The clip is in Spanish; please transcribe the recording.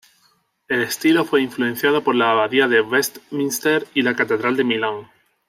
El estilo fue influenciado por la Abadía de Westminster y la Catedral de Milán.